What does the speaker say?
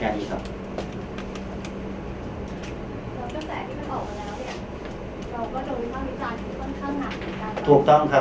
แล้วกระแสที่มันออกมาแล้วเนี่ยเราก็จะวิทยาวิจารณ์คือค่อนข้างห่าง